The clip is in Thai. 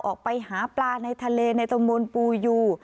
ออกไปหาปลาในทะเลในตะมนต์ปูยู